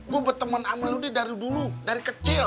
gue berteman sama ludi dari dulu dari kecil